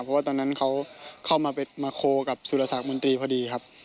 เพราะว่าตอนนั้นเขาเข้ามาโคลกับสุรสักมนตรีพอดีครับ